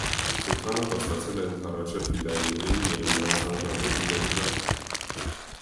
Սուլթանը խոստացել է ընդառաջել ֆիդայիներին միայն նրանց անձնատուր լինելու դեպքում։